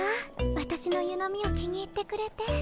わたしの湯飲みを気に入ってくれて。